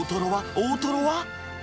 大トロは？